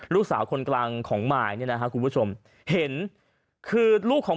ลูกสาวคนกลางของมายเนี่ยนะฮะคุณผู้ชมเห็นคือลูกของ